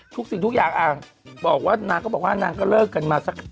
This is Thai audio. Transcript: สิ่งทุกอย่างบอกว่านางก็บอกว่านางก็เลิกกันมาสัก